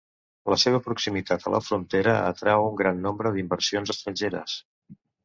La seva proximitat a la frontera atrau un gran nombre d'inversions estrangeres.